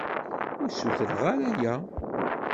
Ur ssutreɣ ara aya.